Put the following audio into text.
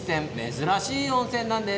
珍しい温泉なんです。